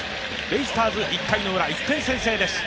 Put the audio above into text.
ベイスターズ、１回のウラ１点先制です。